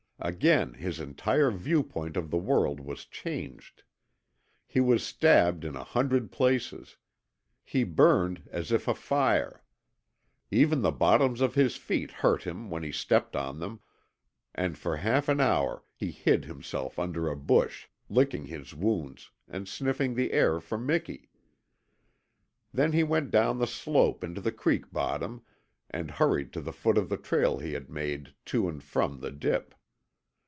Again his entire viewpoint of the world was changed. He was stabbed in a hundred places. He burned as if afire. Even the bottoms of his feet hurt him when he stepped on them, and for half an hour he hid himself under a bush, licking his wounds and sniffing the air for Miki. Then he went down the slope into the creek bottom, and hurried to the foot of the trail he had made to and from the dip.